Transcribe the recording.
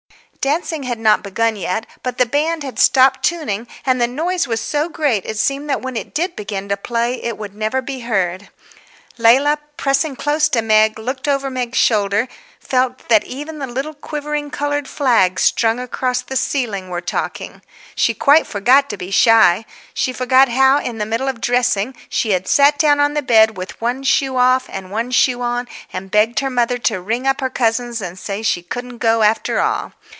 Dancing had not begun yet, but the band had stopped tuning, and the noise was so great it seemed that when it did begin to play it would never be heard. Leila, pressing close to Meg, looking over Meg's shoulder, felt that even the little quivering coloured flags strung across the ceiling were talking. She quite forgot to be shy; she forgot how in the middle of dressing she had sat down on the bed with one shoe off and one shoe on and begged her mother to ring up her cousins and say she couldn't go after all.